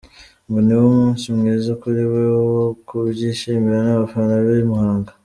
Ngo niwo munsi mwiza kuri we wo kubyishimira n’abafana be i Muhanga.